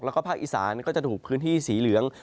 แล้วก็ภาคอีสานก็จะถูกพื้นที่สีเหลือง